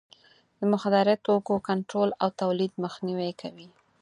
د مخدره توکو کنټرول او تولید مخنیوی کوي.